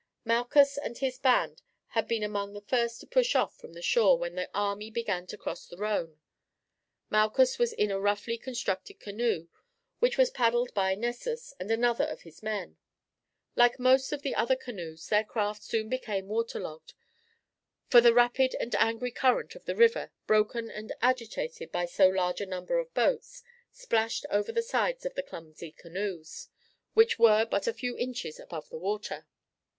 Malchus and his band had been among the first to push off from the shore when the army began to cross the Rhone. Malchus was in a roughly constructed canoe, which was paddled by Nessus and another of his men. Like most of the other canoes, their craft soon became waterlogged, for the rapid and angry current of the river, broken and agitated by so large a number of boats, splashed over the sides of the clumsy canoes, which were but a few inches above the water.